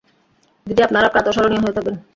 দিদি, আপনারা প্রাতঃস্মরণীয় হয়ে থাকবেন।